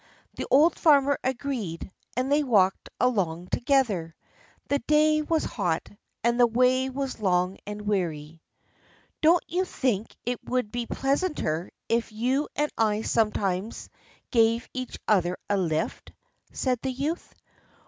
The old farmer agreed, and they walked along together. The day was hot, and the way was long and weary. "Don't you think it would be pleasanter if you and I sometimes gave each other a lift?" said the youth.